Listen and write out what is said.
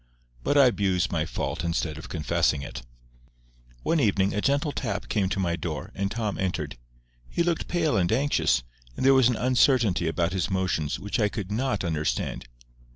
But I abuse my fault instead of confessing it. One evening, a gentle tap came to my door, and Tom entered. He looked pale and anxious, and there was an uncertainty about his motions which I could not understand.